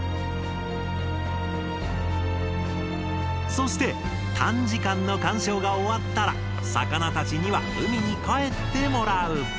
そして短時間の観賞が終わったら魚たちには海に帰ってもらう。